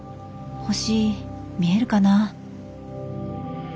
星見えるかな？